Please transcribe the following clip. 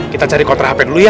kita cari kontra hp dulu ya